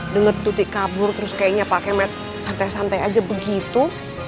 dengar tuti kabur terus kayaknya pak kemet santai santai aja begitu